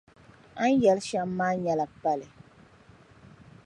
A ni yɛli shɛm maa nyɛla pali.